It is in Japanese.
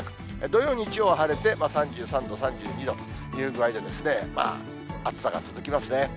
土曜、日曜は晴れて、３３度、３２度という具合でですね、暑さが続きますね。